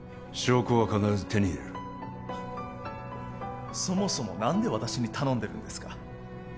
証拠は必ず手に入れるそもそも何で私に頼んでるんですか？